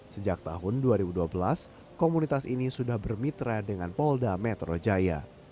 sejak tahun dua ribu dua belas komunitas ini sudah bermitra dengan polda metro jaya